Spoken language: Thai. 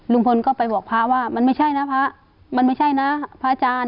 ลุงพลก็ไปบอกพระว่ามันไม่ใช่นะพระมันไม่ใช่นะพระอาจารย์